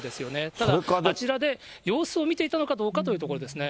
ただ、あちらで様子を見ていたのかどうかということですね。